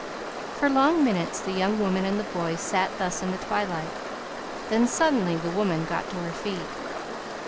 For long minutes the young woman and the boy sat thus in the twilight. Then suddenly the woman got to her feet.